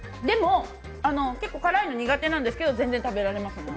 でも、結構、辛いの苦手ですけど、全然食べられます。